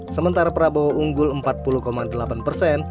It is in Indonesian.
sementara prabowo unggul empat puluh delapan persen